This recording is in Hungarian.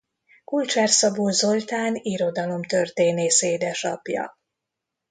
Kulcsár-Szabó Zoltán irodalomtörténész édesapja.